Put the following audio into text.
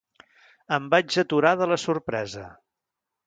Em vaig aturar de la sorpresa.